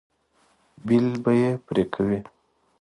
بیل به یې پرې کوئ.